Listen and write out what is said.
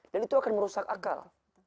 dan itu akan merusak akal